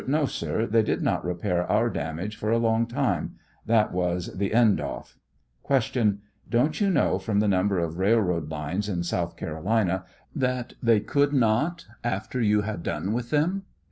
No, sir, they did not repair our damage for a long time; that was the "end off." Q. Don't you know from the number of railroad lines in South Carolina that they could not after you had done with them?